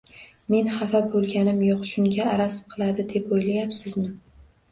Men xafa bo`lganim yo`q, shunga araz qiladi deb o`ylayapsizmi